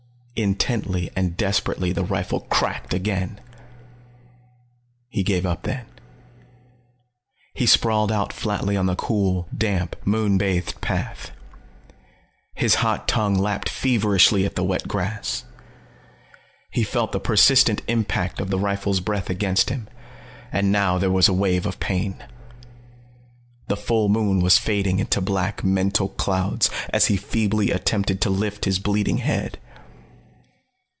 Intently and desperately the rifle cracked again. He gave up then. He sprawled out flatly on the cool, damp, moon bathed path. His hot tongue lapped feverishly at the wet grass. He felt the persistent impact of the rifle's breath against him, and now there was a wave of pain. The full moon was fading into black mental clouds as he feebly attempted to lift his bleeding head.